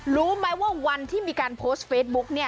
รู้ไหมว่าวันที่มีการโพสต์เฟซบุ๊กเนี่ย